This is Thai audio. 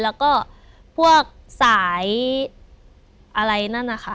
แล้วก็พวกสายอะไรนั่นนะคะ